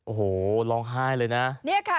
โอ้โหร้องไห้เลยนะ